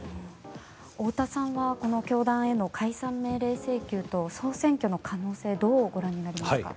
太田さんはこの教団への解散命令請求と総選挙の可能性どうご覧になりますか？